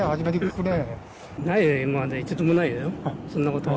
ないね、一度もないね、そんなことは。